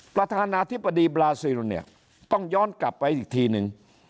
ประธานาธิบดีบราซิลเนี่ยต้องย้อนกลับไปอีกทีนึง